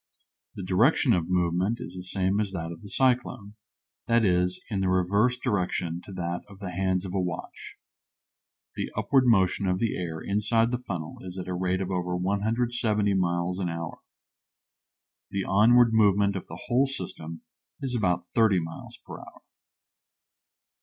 The direction of movement is the same as that of the cyclone that is, in the reverse direction to that of the hands of a watch. The upward motion of the air inside of the funnel is at a rate of over 170 miles an hour. The onward movement of the whole system is about thirty miles per hour.